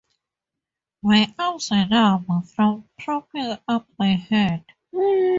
My arms were numb from propping up my head.